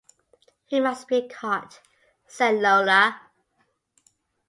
"He must be caught," said Lola.